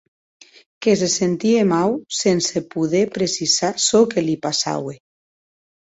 Que se sentie mau, sense poder precisar çò que li passaue.